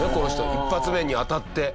１発目に当たって。